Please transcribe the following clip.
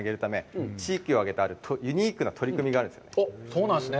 そうなんです。